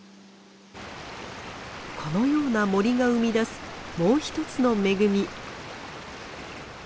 このような森が生み出すもう一つの恵み。